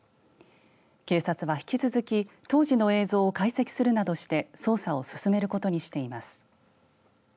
警察は引き続き当時の映像を解析するなどして捜査を進めることにしています。